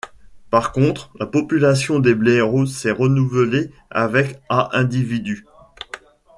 Par contre, la population des blaireaux s'est renouvelée avec à individus.